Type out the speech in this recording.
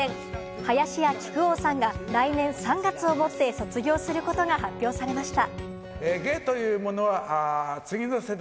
林家木久扇さんが来年３月をもって卒業することが発表されました。